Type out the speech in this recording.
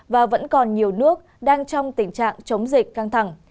và vẫn còn nhiều nước đang trong tình trạng chống dịch căng thẳng